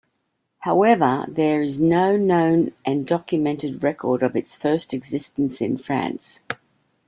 However, there is no known and documented record of its first existence in France.